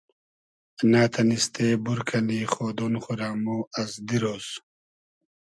نۂ تئنیستې بور کئنی خۉدۉن خو رۂ مۉ از دیرۉز